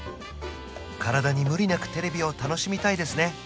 体に無理なくテレビを楽しみたいですね